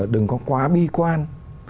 đừng có quá bi quan